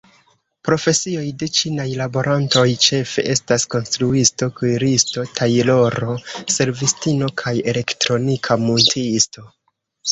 Profesioj de ĉinaj laborantoj ĉefe estas konstruisto, kuiristo, tajloro, servistino kaj elektronika muntisto.